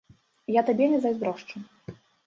Я табе не зайздрошчу.